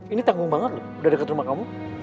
ini tanggung banget lho udah deket rumah kamu